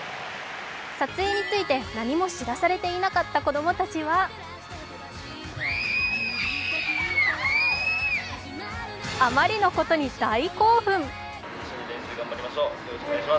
撮影について、何も知らされていなかった子供たちはあまりのことに大興奮。